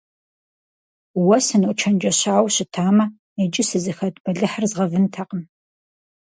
Уэ сыночэнджэщауэ щытамэ, иджы сызыхэт бэлыхьыр згъэвынтэкъым.